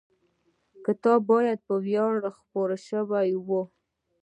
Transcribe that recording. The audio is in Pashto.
کتاب باید وړیا خپور شوی وای.